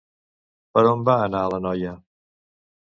Per on va anar la noia?